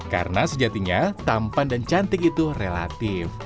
karena sejatinya tampan dan cantik itu relatif